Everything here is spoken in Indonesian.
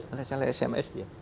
oleh salah sms dia